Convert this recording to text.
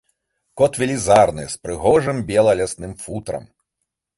Кот велізарны, з прыгожым бела-лясным футрам.